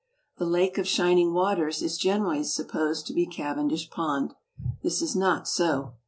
"The Lake of Shining Waters" is generally supposed to be Cavendish Pond. This is not so.